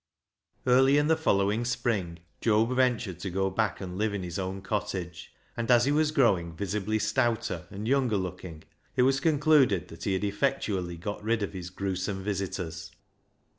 Early in the following spring Job ventured to go back and live in his own cottage ; and as he was growing visibly stouter and younger looking, it was concluded that he had effectually got rid of his gruesome visitors.